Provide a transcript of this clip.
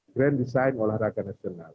grand design olahraga nasional